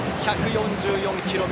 １４４キロ。